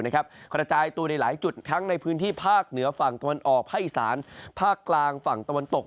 กระจายตัวในหลายจุดทั้งในพื้นที่ภาคเหนือฝั่งตะวันออกภาคอีสานภาคกลางฝั่งตะวันตก